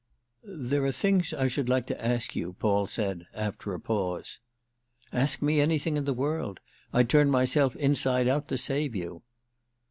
"There are things I should like to ask you," Paul said after a pause. "Ask me anything in all the world. I'd turn myself inside out to save you."